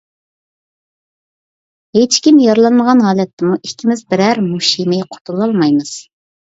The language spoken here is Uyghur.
ھېچكىم يارىلانمىغان ھالەتتىمۇ، ئىككىمىز بىرەر مۇش يېمەي قۇتۇلالمايمىز.